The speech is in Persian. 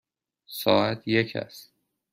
ساعت یک است.